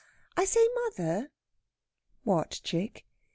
I say, mother...." "What, chick?"